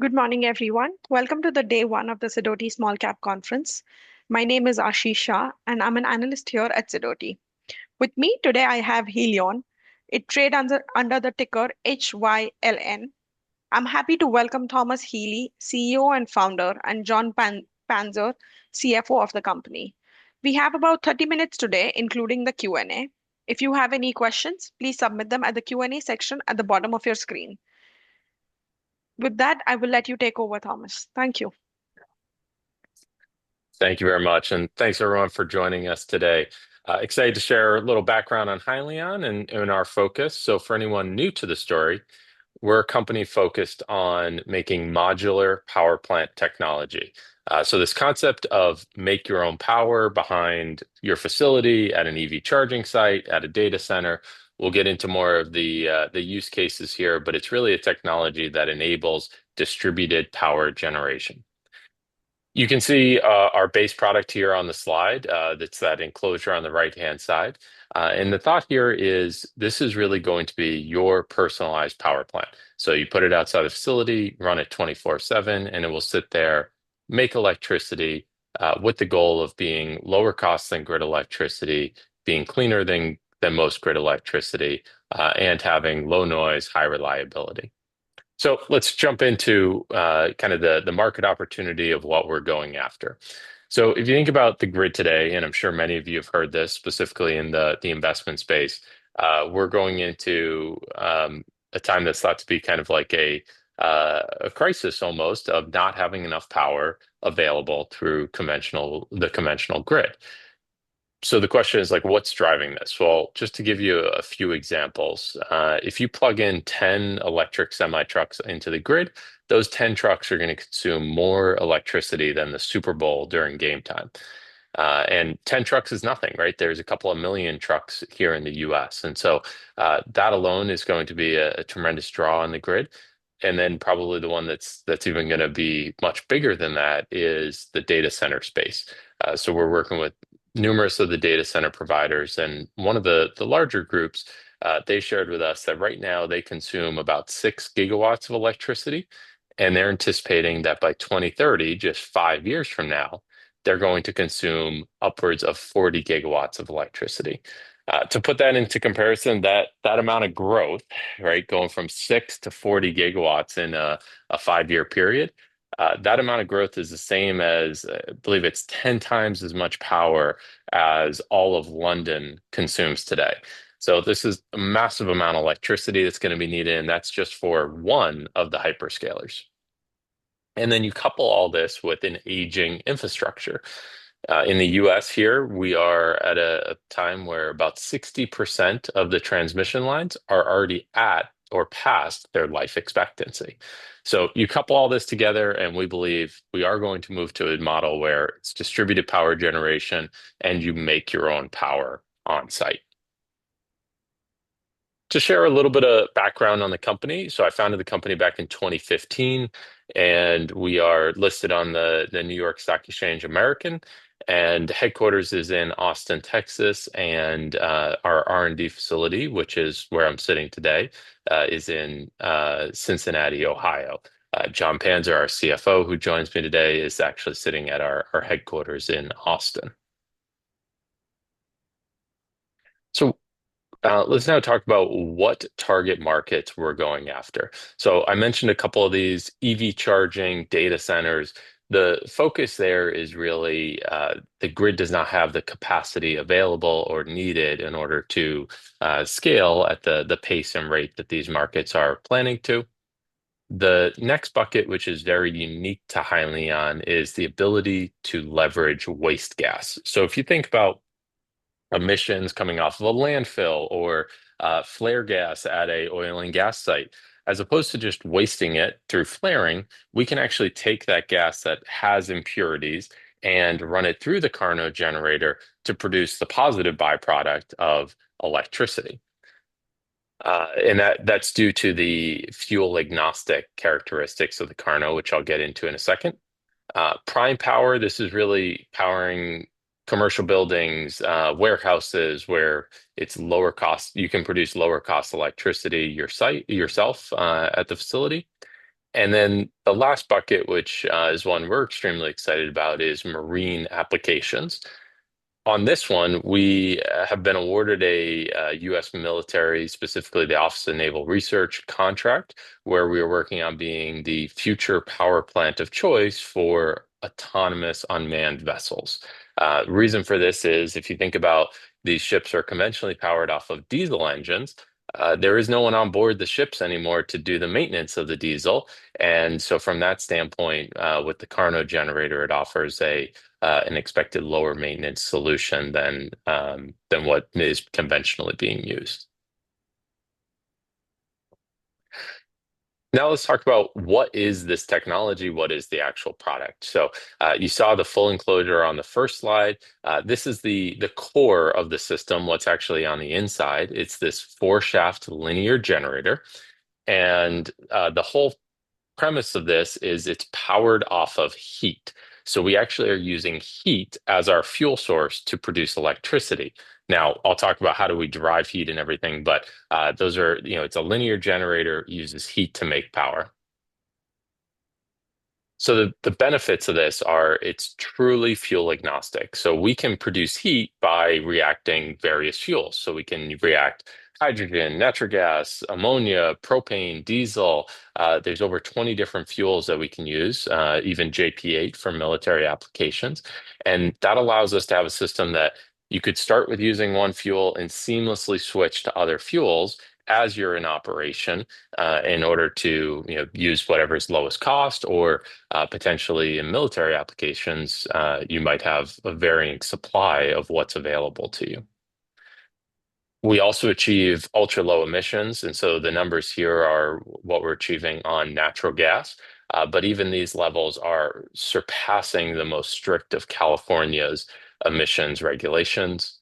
Good morning, everyone. Welcome to Day 1 of the Sidoti Small Cap Conference. My name is Aashi Shah, and I'm an analyst here at Sidoti. With me today, I have Hyliion, it trades under the ticker HYLN. I'm happy to welcome Thomas Healy, CEO and founder, and Jon Panzer, CFO of the company. We have about 30 minutes today, including the Q&A. If you have any questions, please submit them at the Q&A section at the bottom of your screen. With that, I will let you take over, Thomas. Thank you. Thank you very much, and thanks everyone for joining us today. Excited to share a little background on Hyliion and our focus. For anyone new to the story, we're a company focused on making modular power plant technology. This concept of make your own power behind your facility at an EV charging site, at a data center. We'll get into more of the use cases here, but it's really a technology that enables distributed power generation. You can see our base product here on the slide. That's that enclosure on the right-hand side. The thought here is this is really going to be your personalized power plant. You put it outside the facility, run it 24/7, and it will sit there, make electricity with the goal of being lower cost than grid electricity, being cleaner than most grid electricity, and having low noise, high reliability. Let's jump into kind of the market opportunity of what we're going after. If you think about the grid today, and I'm sure many of you have heard this specifically in the investment space, we're going into a time that's thought to be kind of like a crisis almost of not having enough power available through the conventional grid. The question is, like, what's driving this? Just to give you a few examples, if you plug in 10 electric semi-trucks into the grid, those 10 trucks are going to consume more electricity than the Super Bowl during game time. Ten trucks is nothing, right? There's a couple of million trucks here in the U.S. That alone is going to be a tremendous draw on the grid. Probably the one that's even going to be much bigger than that is the data center space. We're working with numerous of the data center providers. One of the larger groups shared with us that right now they consume about 6GW of electricity. They're anticipating that by 2030, just five years from now, they're going to consume upwards of 40 gigawatts of electricity. To put that into comparison, that amount of growth, going from 6 to 40GW in a five-year period, that amount of growth is the same as, I believe it's 10 times as much power as all of London consumes today. This is a massive amount of electricity that's going to be needed, and that's just for one of the hyperscalers. You couple all this with an aging infrastructure. In the U.S. here, we are at a time where about 60% of the transmission lines are already at or past their life expectancy. You couple all this together, and we believe we are going to move to a model where it's distributed power generation, and you make your own power on site. To share a little bit of background on the company, I founded the company back in 2015, and we are listed on the New York Stock Exchange American. The headquarters is in Austin, Texas, and our R&D facility, which is where I'm sitting today, is in Cincinnati, Ohio. Jon Panzer, our CFO, who joins me today, is actually sitting at our headquarters in Austin. Let's now talk about what target markets we're going after. I mentioned a couple of these EV charging data centers. The focus there is really the grid does not have the capacity available or needed in order to scale at the pace and rate that these markets are planning to. The next bucket, which is very unique to Hyliion, is the ability to leverage waste gas. If you think about emissions coming off of a landfill or flare gas at an oil and gas site, as opposed to just wasting it through flaring, we can actually take that gas that has impurities and run it through the KARNO generator to produce the positive byproduct of electricity. That is due to the fuel-agnostic characteristics of the KARNO, which I'll get into in a second. Prime power, this is really powering commercial buildings, warehouses where it is lower cost. You can produce lower cost electricity yourself at the facility. The last bucket, which is one we're extremely excited about, is marine applications. On this one, we have been awarded a U.S. military, specifically the Office of Naval Research contract, where we are working on being the future power plant of choice for autonomous unmanned vessels. The reason for this is if you think about these ships are conventionally powered off of diesel engines, there is no one on board the ships anymore to do the maintenance of the diesel. From that standpoint, with the KARNO generator, it offers an expected lower maintenance solution than what is conventionally being used. Now let's talk about what is this technology, what is the actual product. You saw the full enclosure on the first slide. This is the core of the system. What's actually on the inside? It's this four-shaft linear generator. The whole premise of this is it's powered off of heat. We actually are using heat as our fuel source to produce electricity. Now, I'll talk about how do we derive heat and everything, but those are, you know, it's a linear generator, uses heat to make power. The benefits of this are it's truly fuel-agnostic. We can produce heat by reacting various fuels. We can react hydrogen, natural gas, ammonia, propane, diesel. There are over 20 different fuels that we can use, even JP-8 for military applications. That allows us to have a system that you could start with using one fuel and seamlessly switch to other fuels as you're in operation in order to use whatever is lowest cost or potentially in military applications, you might have a varying supply of what's available to you. We also achieve ultra-low emissions. The numbers here are what we're achieving on natural gas. Even these levels are surpassing the most strict of California's emissions regulations.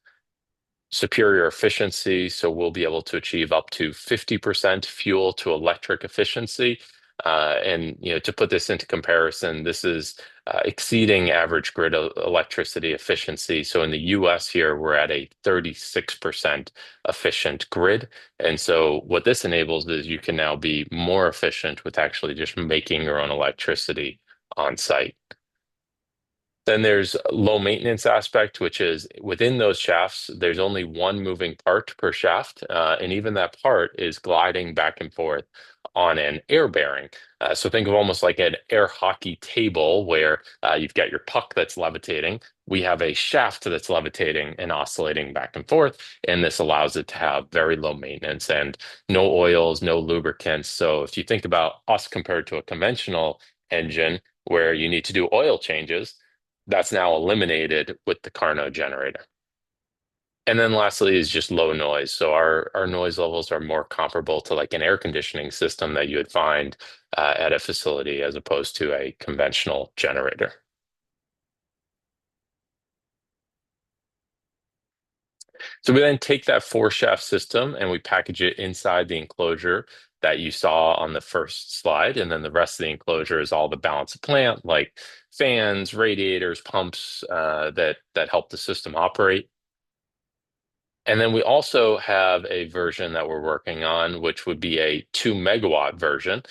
Superior efficiency. We'll be able to achieve up to 50% fuel-to-electric efficiency. To put this into comparison, this is exceeding average grid electricity efficiency. In the U.S. here, we're at a 36% efficient grid. What this enables is you can now be more efficient with actually just making your own electricity on site. There's a low maintenance aspect, which is within those shafts, there's only one moving part per shaft. Even that part is gliding back and forth on an air bearing. Think of almost like an air hockey table where you've got your puck that's levitating. We have a shaft that's levitating and oscillating back and forth. This allows it to have very low maintenance and no oils, no lubricants. If you think about us compared to a conventional engine where you need to do oil changes, that's now eliminated with the KARNO generator. Lastly is just low noise. Our noise levels are more comparable to like an air conditioning system that you would find at a facility as opposed to a conventional generator. We then take that four-shaft system and we package it inside the enclosure that you saw on the first slide. The rest of the enclosure is all the balance of plant, like fans, radiators, pumps that help the system operate. We also have a version that we're working on, which would be a 2 MW version.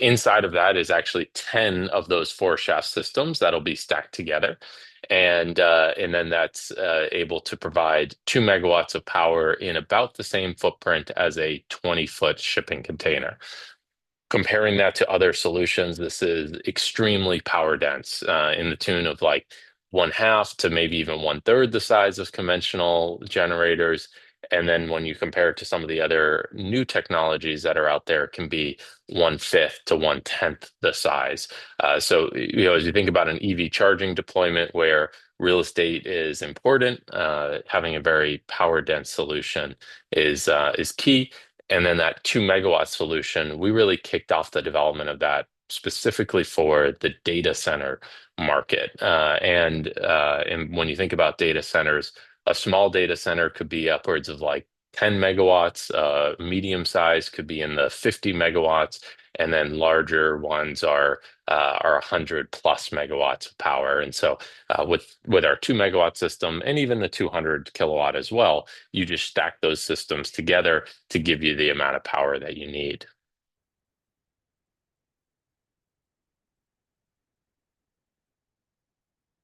Inside of that is actually 10 of those four-shaft systems that'll be stacked together. That is able to provide 2 MW of power in about the same footprint as a 20-foot shipping container. Comparing that to other solutions, this is extremely power dense in the tune of like one half to maybe even one third the size of conventional generators. When you compare it to some of the other new technologies that are out there, it can be one fifth to one tenth the size. As you think about an EV charging deployment where real estate is important, having a very power dense solution is key. That 2-MW solution, we really kicked off the development of that specifically for the data center market. When you think about data centers, a small data center could be upwards of like 10 MW, medium size could be in the 50 MW, and then larger ones are 100-plus MW of power. With our 2-MW system and even the 200-kW as well, you just stack those systems together to give you the amount of power that you need.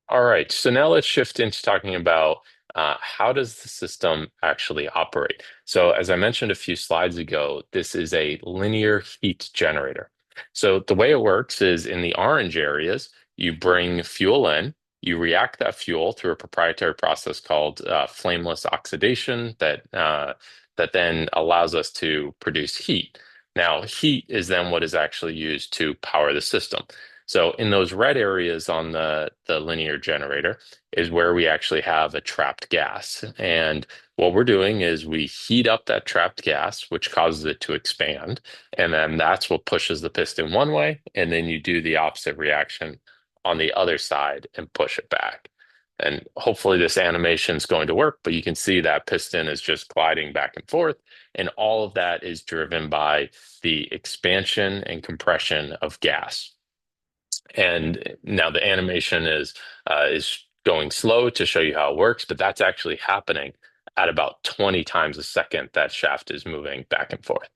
All right, now let's shift into talking about how the system actually operates. As I mentioned a few slides ago, this is a linear heat generator. The way it works is in the orange areas, you bring fuel in, you react that fuel through a proprietary process called flameless oxidation that then allows us to produce heat. Heat is then what is actually used to power the system. In those red areas on the linear generator is where we actually have a trapped gas. What we're doing is we heat up that trapped gas, which causes it to expand. That's what pushes the piston one way. You do the opposite reaction on the other side and push it back. Hopefully this animation is going to work, but you can see that piston is just gliding back and forth. All of that is driven by the expansion and compression of gas. Now the animation is going slow to show you how it works, but that's actually happening at about 20 times a second that shaft is moving back and forth.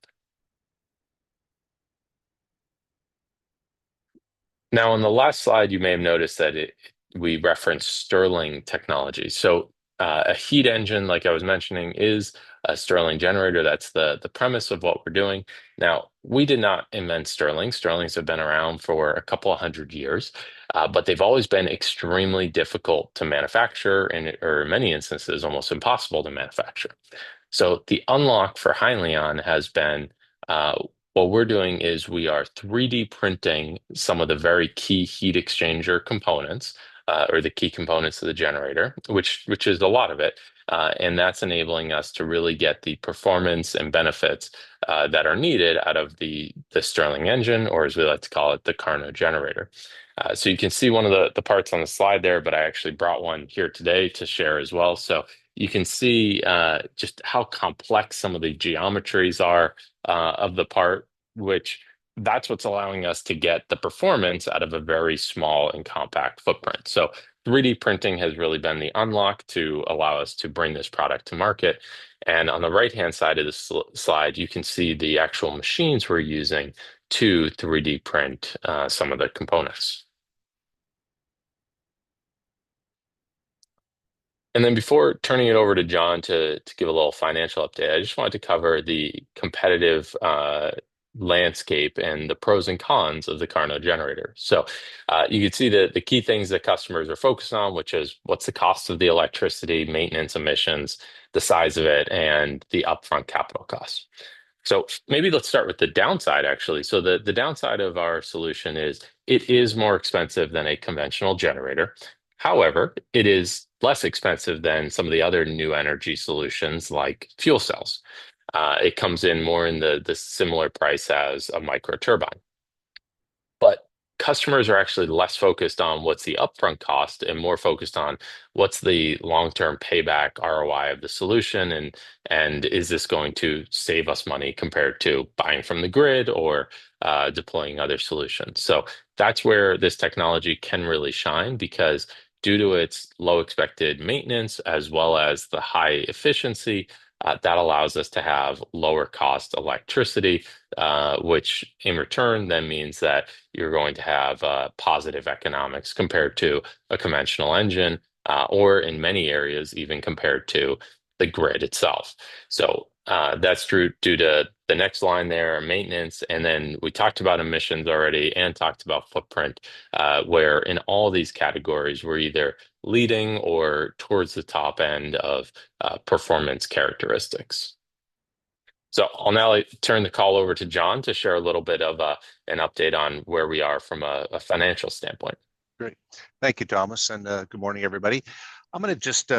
On the last slide, you may have noticed that we referenced Stirling technology. A heat engine, like I was mentioning, is a Stirling generator. That's the premise of what we're doing. We did not invent Stirlings. Stirlings have been around for a couple of hundred years, but they've always been extremely difficult to manufacture and, or in many instances, almost impossible to manufacture. The unlock for Hyliion has been what we're doing is we are 3D printing some of the very key heat exchanger components or the key components of the generator, which is a lot of it. That's enabling us to really get the performance and benefits that are needed out of the Stirling engine, or as we like to call it, the KARNO generator. You can see one of the parts on the slide there, but I actually brought one here today to share as well. You can see just how complex some of the geometries are of the part, which that's what's allowing us to get the performance out of a very small and compact footprint. 3D printing has really been the unlock to allow us to bring this product to market. On the right-hand side of the slide, you can see the actual machines we're using to 3D print some of the components. Before turning it over to Jon to give a little financial update, I just wanted to cover the competitive landscape and the pros and cons of the KARNO generator. You can see that the key things that customers are focused on, which is what's the cost of the electricity, maintenance, emissions, the size of it, and the upfront capital costs. Maybe let's start with the downside, actually. The downside of our solution is it is more expensive than a conventional generator. However, it is less expensive than some of the other new energy solutions like fuel cells. It comes in more in the similar price as a micro turbine. Customers are actually less focused on what's the upfront cost and more focused on what's the long-term payback ROI of the solution and is this going to save us money compared to buying from the grid or deploying other solutions. That is where this technology can really shine because due to its low expected maintenance as well as the high efficiency, that allows us to have lower cost electricity, which in return then means that you're going to have positive economics compared to a conventional engine or in many areas even compared to the grid itself. That is true due to the next line there, maintenance. We talked about emissions already and talked about footprint where in all these categories, we're either leading or towards the top end of performance characteristics. I'll now turn the call over to Jon to share a little bit of an update on where we are from a financial standpoint. Great. Thank you, Thomas. And good morning, everybody. I'm going to just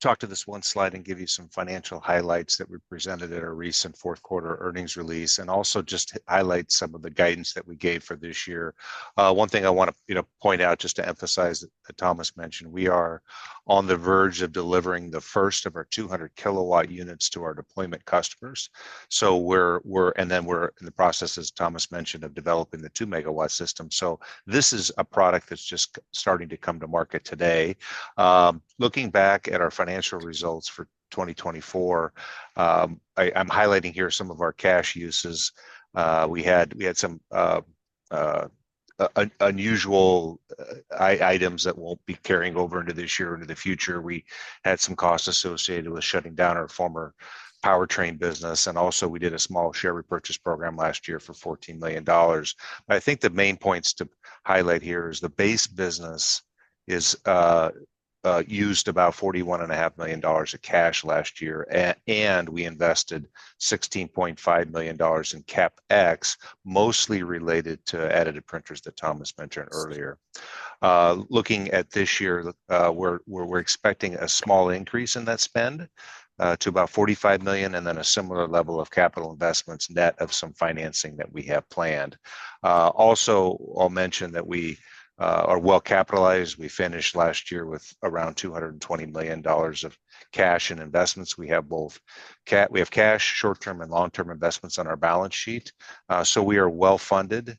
talk to this one slide and give you some financial highlights that were presented at our recent fourth quarter earnings release and also just highlight some of the guidance that we gave for this year. One thing I want to point out just to emphasize that Thomas mentioned, we are on the verge of delivering the first of our 200-kW units to our deployment customers. We're in the process, as Thomas mentioned, of developing the 2-MW system. This is a product that's just starting to come to market today. Looking back at our financial results for 2024, I'm highlighting here some of our cash uses. We had some unusual items that won't be carrying over into this year or into the future. We had some costs associated with shutting down our former powertrain business. Also we did a small share repurchase program last year for $14 million. I think the main points to highlight here is the base business used about $41.5 million of cash last year. We invested $16.5 million in CapEx, mostly related to additive printers that Thomas mentioned earlier. Looking at this year, we're expecting a small increase in that spend to about $45 million and then a similar level of capital investments net of some financing that we have planned. Also, I'll mention that we are well capitalized. We finished last year with around $220 million of cash and investments. We have cash, short-term and long-term investments on our balance sheet. We are well funded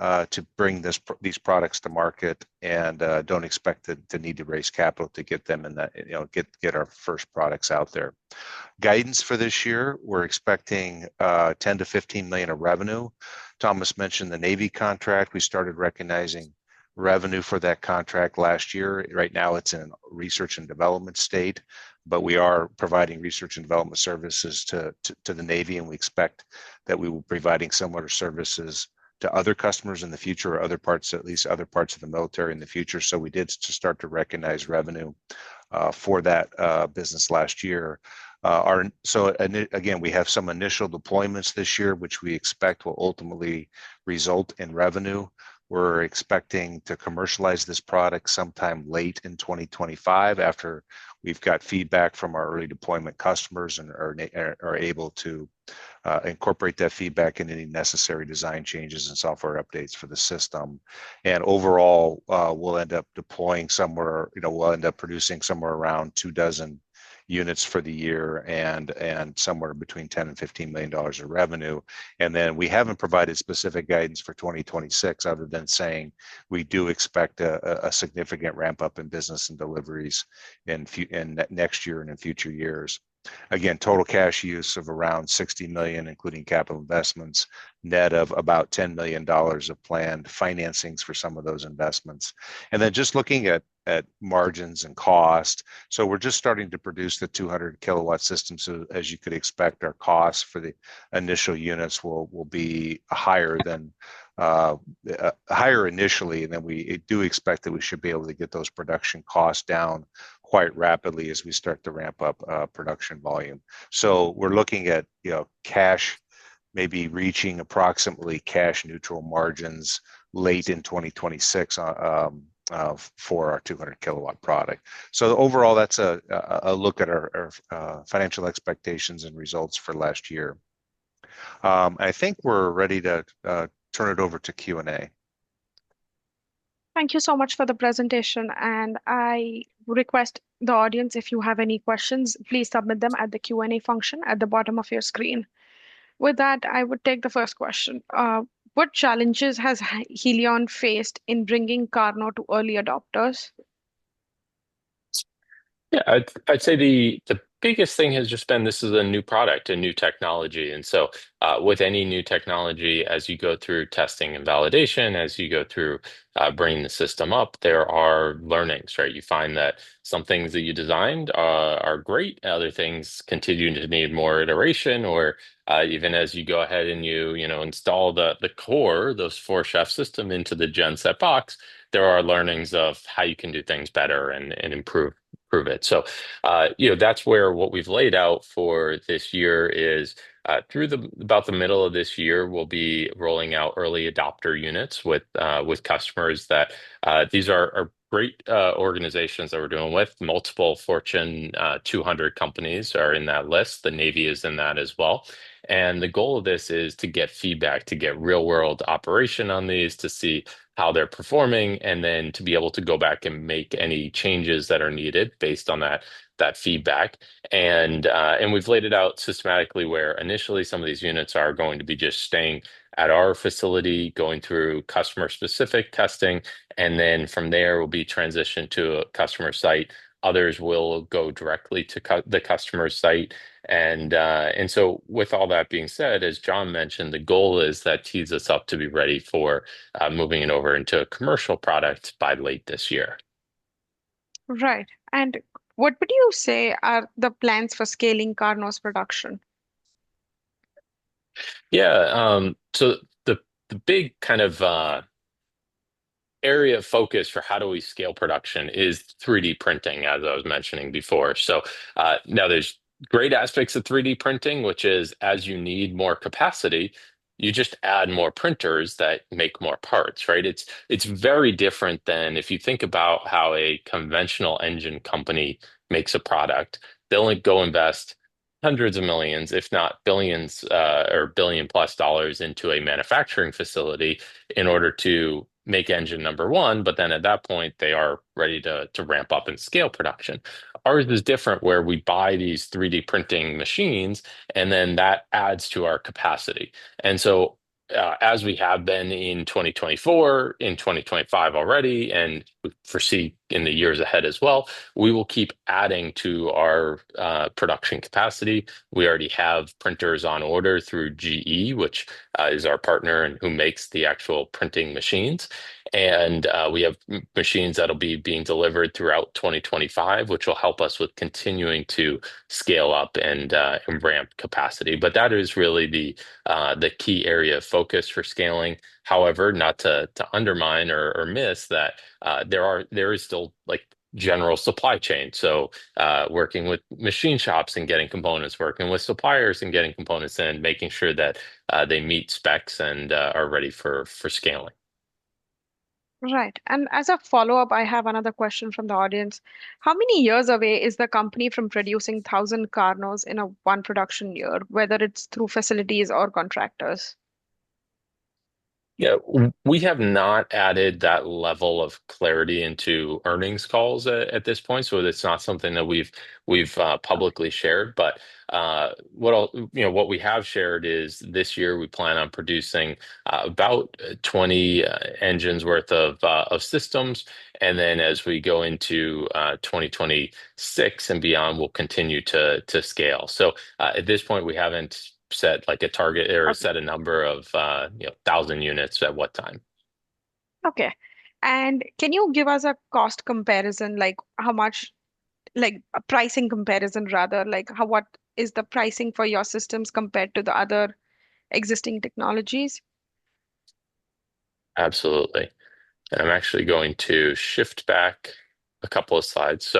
to bring these products to market and do not expect to need to raise capital to get them and get our first products out there. Guidance for this year, we are expecting $10-$15 million of revenue. Thomas mentioned the Navy contract. We started recognizing revenue for that contract last year. Right now, it is in a research and development state, but we are providing research and development services to the Navy and we expect that we will be providing similar services to other customers in the future or at least other parts of the military in the future. We did start to recognize revenue for that business last year. Again, we have some initial deployments this year, which we expect will ultimately result in revenue. We're expecting to commercialize this product sometime late in 2025 after we've got feedback from our early deployment customers and are able to incorporate that feedback in any necessary design changes and software updates for the system. Overall, we'll end up deploying somewhere, we'll end up producing somewhere around two dozen units for the year and somewhere between $10 million and $15 million of revenue. We haven't provided specific guidance for 2026 other than saying we do expect a significant ramp-up in business and deliveries in next year and in future years. Again, total cash use of around $60 million, including capital investments, net of about $10 million of planned financings for some of those investments. Just looking at margins and cost, we're just starting to produce the 200-kW system. As you could expect, our costs for the initial units will be higher initially. We do expect that we should be able to get those production costs down quite rapidly as we start to ramp up production volume. We're looking at cash maybe reaching approximately cash-neutral margins late in 2026 for our 200-kW product. Overall, that's a look at our financial expectations and results for last year. I think we're ready to turn it over to Q&A. Thank you so much for the presentation. I request the audience, if you have any questions, please submit them at the Q&A function at the bottom of your screen. With that, I would take the first question. What challenges has Hyliion faced in bringing KARNO to early adopters? I'd say the biggest thing has just been this is a new product, a new technology. With any new technology, as you go through testing and validation, as you go through bringing the system up, there are learnings, right? You find that some things that you designed are great, other things continue to need more iteration. Even as you go ahead and you install the core, those four-shaft system into the genset box, there are learnings of how you can do things better and improve it. That is where what we have laid out for this year is through about the middle of this year, we will be rolling out early adopter units with customers. These are great organizations that we are doing with. Multiple Fortune 200 companies are in that list. The Navy is in that as well. The goal of this is to get feedback, to get real-world operation on these to see how they're performing and then to be able to go back and make any changes that are needed based on that feedback. We've laid it out systematically where initially some of these units are going to be just staying at our facility, going through customer-specific testing. From there, we'll be transitioned to a customer site. Others will go directly to the customer site. With all that being said, as Jon mentioned, the goal is that tees us up to be ready for moving it over into a commercial product by late this year. Right. What would you say are the plans for scaling KARNO's production? Yeah. The big kind of area of focus for how do we scale production is 3D printing, as I was mentioning before. Now there's great aspects of 3D printing, which is as you need more capacity, you just add more printers that make more parts, right? It's very different than if you think about how a conventional engine company makes a product. They'll go invest hundreds of millions, if not billions or billion-plus dollars into a manufacturing facility in order to make engine number one. At that point, they are ready to ramp up and scale production. Ours is different where we buy these 3D printing machines and then that adds to our capacity. As we have been in 2024, in 2025 already, and we foresee in the years ahead as well, we will keep adding to our production capacity. We already have printers on order through GE, which is our partner and who makes the actual printing machines. We have machines that will be being delivered throughout 2025, which will help us with continuing to scale up and ramp capacity. That is really the key area of focus for scaling. However, not to undermine or miss that there is still general supply chain. Working with machine shops and getting components, working with suppliers and getting components in, making sure that they meet specs and are ready for scaling. Right. As a follow-up, I have another question from the audience. How many years away is the company from producing 1,000 KARNOs in a one production year, whether it's through facilities or contractors? Yeah, we have not added that level of clarity into earnings calls at this point. It is not something that we've publicly shared. What we have shared is this year, we plan on producing about 20 engines' worth of systems. As we go into 2026 and beyond, we'll continue to scale. At this point, we haven't set a target or set a number of 1,000 units at what time. Okay. Can you give us a cost comparison, like pricing comparison, rather? What is the pricing for your systems compared to the other existing technologies? Absolutely. I'm actually going to shift back a couple of slides.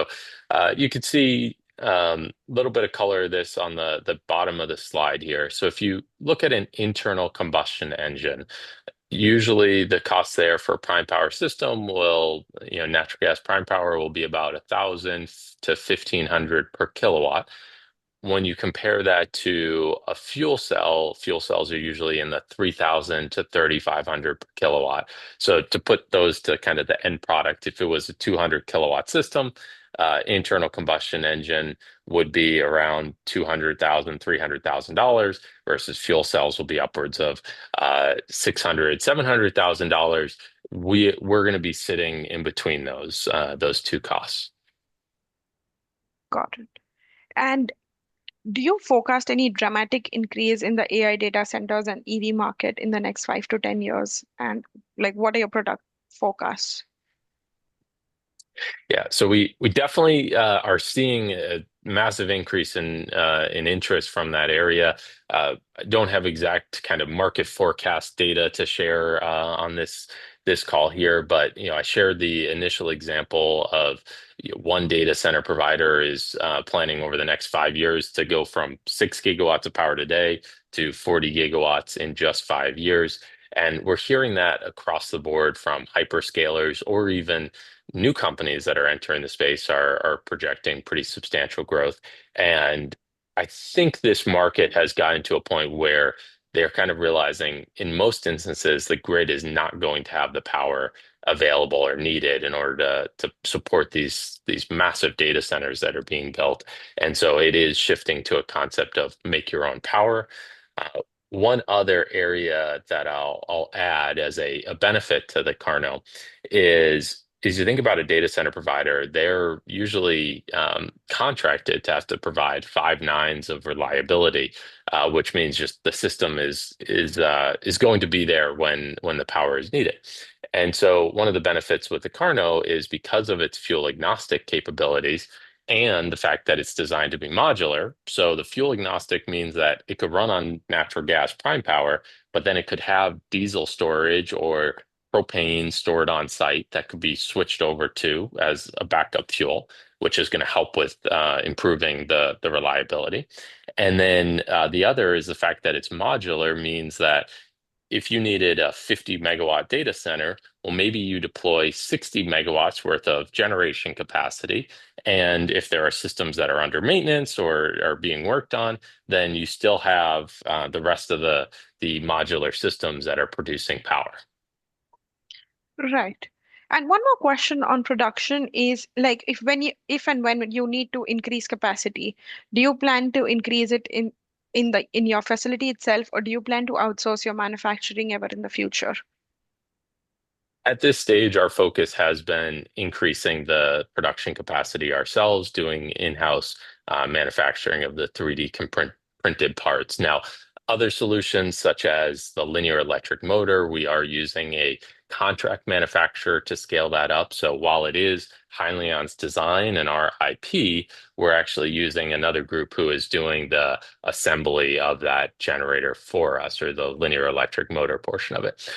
You could see a little bit of color of this on the bottom of the slide here. If you look at an internal combustion engine, usually the cost there for a Prime power system, natural gas Prime power, will be about $1,000-$1,500 per kW. When you compare that to a fuel cell, fuel cells are usually in the $3,000-$3,500 per kW. To put those to kind of the end product, if it was a 200-kW system, internal combustion engine would be around $200,000-$300,000 versus fuel cells will be upwards of $600,000-$700,000. We are going to be sitting in between those two costs. Got it. Do you forecast any dramatic increase in the AI data centers and EV market in the next 5 to 10 years? What are your product forecasts? Yeah. We definitely are seeing a massive increase in interest from that area. I don't have exact kind of market forecast data to share on this call here, but I shared the initial example of one data center provider is planning over the next five years to go from 6 GW of power today to 40 GW in just five years. We're hearing that across the board from hyperscalers or even new companies that are entering the space are projecting pretty substantial growth. I think this market has gotten to a point where they're kind of realizing in most instances, the grid is not going to have the power available or needed in order to support these massive data centers that are being built. It is shifting to a concept of make your own power. One other area that I'll add as a benefit to the KARNO is if you think about a data center provider, they're usually contracted to have to provide five nines of reliability, which means just the system is going to be there when the power is needed. One of the benefits with the KARNO is because of its fuel-agnostic capabilities and the fact that it's designed to be modular. The fuel-agnostic means that it could run on natural gas Prime power, but then it could have diesel storage or propane stored on site that could be switched over to as a backup fuel, which is going to help with improving the reliability. The other is the fact that it's modular means that if you needed a 50-MW data center, maybe you deploy 60 MW worth of generation capacity. If there are systems that are under maintenance or are being worked on, you still have the rest of the modular systems that are producing power. Right. One more question on production is if and when you need to increase capacity, do you plan to increase it in your facility itself, or do you plan to outsource your manufacturing ever in the future? At this stage, our focus has been increasing the production capacity ourselves, doing in-house manufacturing of the 3D printed parts. Now, other solutions such as the linear electric motor, we are using a contract manufacturer to scale that up. While it is Hyliion's design and our IP, we are actually using another group who is doing the assembly of that generator for us or the linear electric motor portion of it.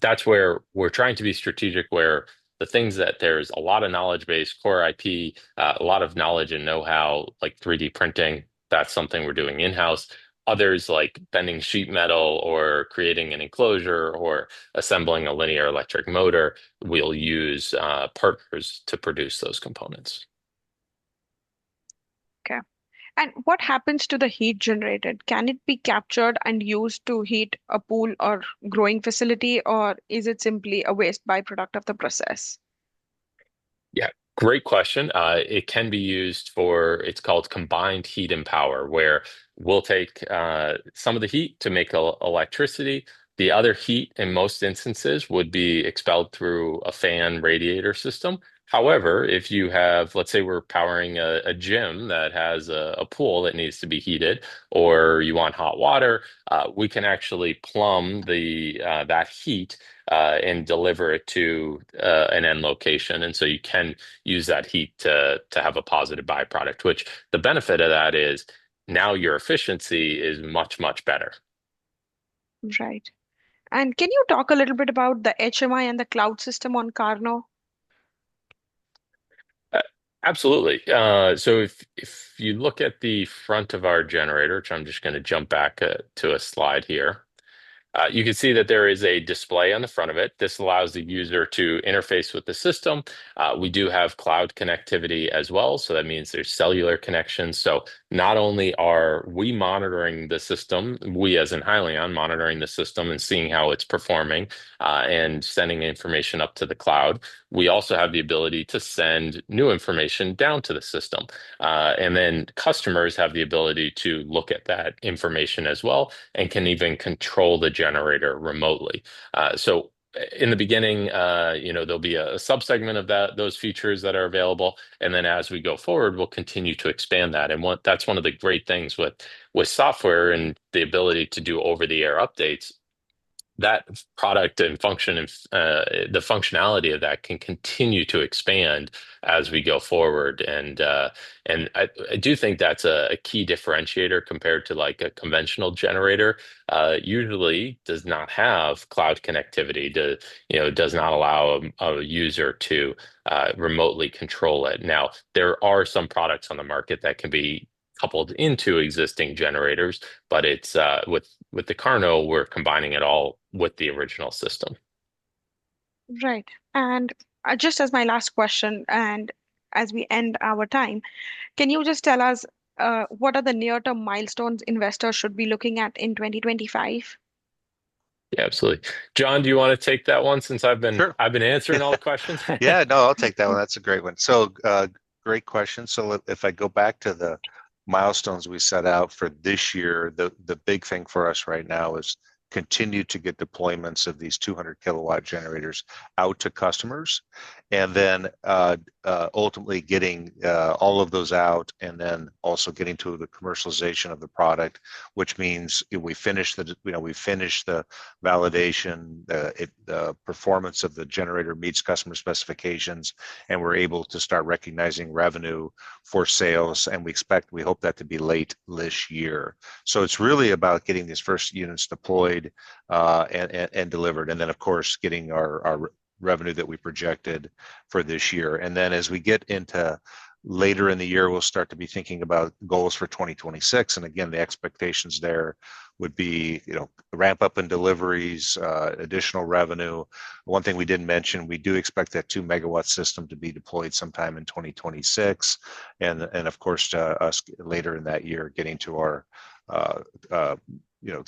That's where we're trying to be strategic, where the things that there's a lot of knowledge-based core IP, a lot of knowledge and know-how, like 3D printing, that's something we're doing in-house. Others like bending sheet metal or creating an enclosure or assembling a linear electric motor, we'll use partners to produce those components. Okay. What happens to the heat generated? Can it be captured and used to heat a pool or growing facility, or is it simply a waste byproduct of the process? Yeah. Great question. It can be used for, it's called combined heat and power, where we'll take some of the heat to make electricity. The other heat, in most instances, would be expelled through a fan radiator system. However, if you have, let's say we're powering a gym that has a pool that needs to be heated, or you want hot water, we can actually plumb that heat and deliver it to an end location. You can use that heat to have a positive byproduct, which the benefit of that is now your efficiency is much, much better. Right. Can you talk a little bit about the HMI and the cloud system on KARNO? Absolutely. If you look at the front of our generator, which I'm just going to jump back to a slide here, you can see that there is a display on the front of it. This allows the user to interface with the system. We do have cloud connectivity as well. That means there's cellular connections. Not only are we monitoring the system, we as in Hyliion monitoring the system and seeing how it's performing and sending information up to the cloud, we also have the ability to send new information down to the system. Customers have the ability to look at that information as well and can even control the generator remotely. In the beginning, there'll be a subsegment of those features that are available. As we go forward, we'll continue to expand that. That's one of the great things with software and the ability to do over-the-air updates, that product and the functionality of that can continue to expand as we go forward. I do think that's a key differentiator compared to a conventional generator. Usually does not have cloud connectivity, does not allow a user to remotely control it. Now, there are some products on the market that can be coupled into existing generators, but with the KARNO, we're combining it all with the original system. Right. Just as my last question, and as we end our time, can you just tell us what are the near-term milestones investors should be looking at in 2025? Yeah, absolutely. Jon, do you want to take that one since I've been answering all the questions? Yeah, no, I'll take that one. That's a great one. Great question. If I go back to the milestones we set out for this year, the big thing for us right now is continue to get deployments of these 200-kW generators out to customers, and then ultimately getting all of those out and then also getting to the commercialization of the product, which means we finish the validation, the performance of the generator meets customer specifications, and we're able to start recognizing revenue for sales. We expect, we hope that to be late this year. It is really about getting these first units deployed and delivered, and then, of course, getting our revenue that we projected for this year. As we get into later in the year, we'll start to be thinking about goals for 2026. Again, the expectations there would be ramp up in deliveries, additional revenue. One thing we did not mention, we do expect that 2 MW system to be deployed sometime in 2026. Of course, later in that year, getting to our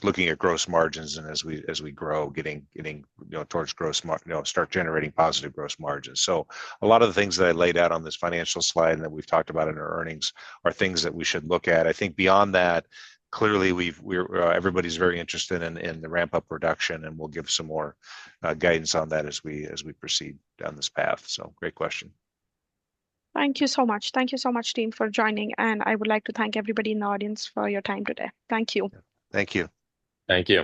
looking at gross margins and as we grow, getting towards gross, start generating positive gross margins. A lot of the things that I laid out on this financial slide and that we have talked about in our earnings are things that we should look at. I think beyond that, clearly, everybody is very interested in the ramp-up production, and we will give some more guidance on that as we proceed down this path. Great question. Thank you so much. Thank you so much, team, for joining. I would like to thank everybody in the audience for your time today. Thank you. Thank you. Thank you.